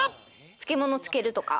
漬物をつけるとか？